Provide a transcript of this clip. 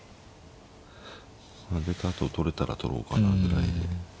出たあと取れたら取ろうかなぐらいで。